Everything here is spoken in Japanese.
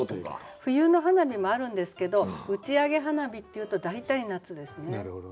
冬の花火もあるんですけど「打ち上げ花火」っていうと大体夏ですね。